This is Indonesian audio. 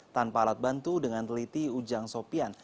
tanpa alat bantu dengan teliti ujang sopian